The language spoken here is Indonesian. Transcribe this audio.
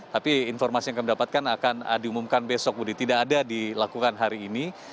tapi informasi yang kami dapatkan akan diumumkan besok budi tidak ada dilakukan hari ini